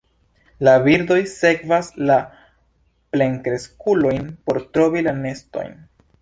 La birdoj sekvas la plenkreskulojn por trovi la nestojn.